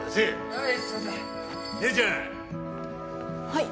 はい。